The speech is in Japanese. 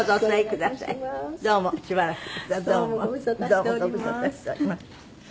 どうもご無沙汰しております。